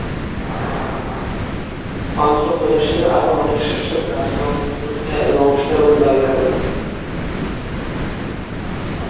অন্ধ্র প্রদেশের আরও অনেক শাসক রাজবংশ দুরজায়া-এর বংশধর বলে দাবি করেন।